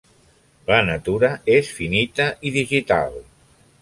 La natura és finita i digital.